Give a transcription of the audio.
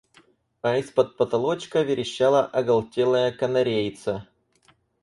А из-под потолочка верещала оголтелая канареица.